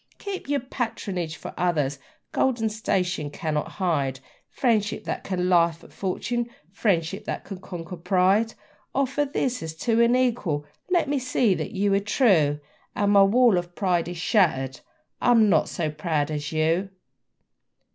Keep your patronage for others! Gold and station cannot hide Friendship that can laugh at fortune, friendship that can conquer pride! Offer this as to an equal let me see that you are true, And my wall of pride is shattered: I am not so proud as you!